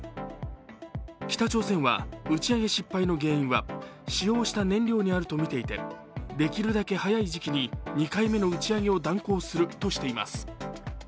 北朝鮮は、打ち上げ失敗の原因は使用した燃料にあるとみていてできるだけ早い時期に２回目の打ち上げを断行するとしています。